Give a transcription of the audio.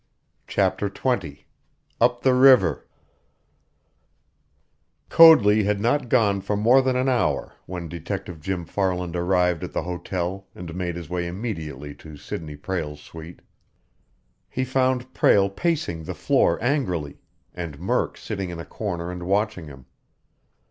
CHAPTER XX UP THE RIVER Coadley had not gone for more than an hour when Detective Jim Farland arrived at the hotel and made his way immediately to Sidney Prale's suite. He found Prale pacing the floor angrily, and Murk sitting in a corner and watching him.